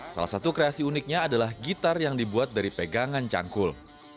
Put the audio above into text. salah satu kreasi uniknya adalah gitar yang dibuat dari pegangan cangkul